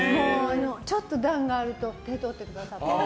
ちょっと段があると手を取ってくださったり。